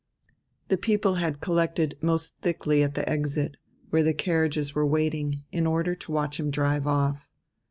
The people had collected most thickly at the exit, where the carriages were waiting, in order to watch him drive off.